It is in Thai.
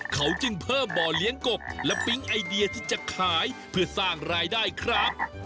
เขาจึงเพิ่มบ่อเลี้ยงกบและปิ๊งไอเดียที่จะขายเพื่อสร้างรายได้ครับ